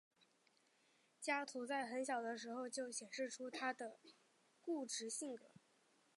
加图在很小的时候就显示出他的固执性格。